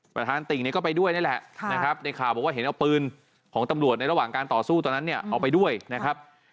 ติ่งเนี่ยก็ไปด้วยนี่แหละนะครับในข่าวบอกว่าเห็นเอาปืนของตำรวจในระหว่างการต่อสู้ตอนนั้นเนี่ยเอาไปด้วยนะครับ